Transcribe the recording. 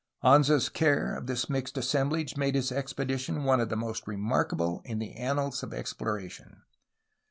Anza's care of this mixed assemblage made his expedition one of the most remarkable in the annals of ex ploration.